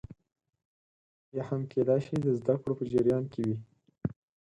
یا هم کېدای شي د زده کړو په جریان کې وي